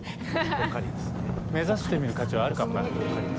目指してみる価値はあるかもな。